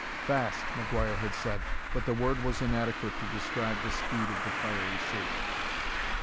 "Fast!" McGuire had said, but the word was inadequate to describe the speed of the fiery shape.